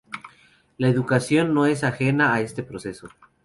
La educación no es ajena a este proceso.